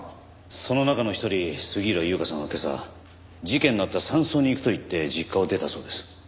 その中の一人杉浦優花さんは今朝事件のあった山荘に行くと言って実家を出たそうです。